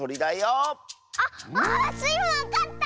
あっああっ⁉スイもわかった！